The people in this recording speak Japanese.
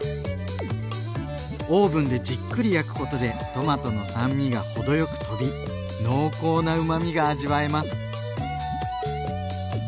オーブンでじっくり焼くことでトマトの酸味が程よくとび濃厚なうまみが味わえます。